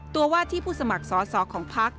ว่าที่ผู้สมัครสอสอของพัก